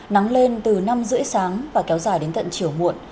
nắng lên từ năm rưỡi sáng và kéo dài đến tận chiều muộn